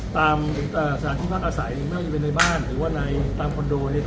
ตามสถานที่พักอาศัยไม่ว่าจะเป็นในบ้านหรือว่าในตามคอนโดเนี่ย